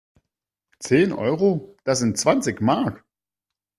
Zehn Euro? Das sind zwanzig Mark!